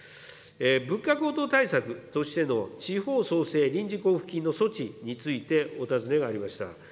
物価高騰対策としての地方創生臨時交付金の措置についてお尋ねがありました。